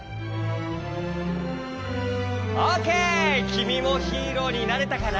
きみもヒーローになれたかな？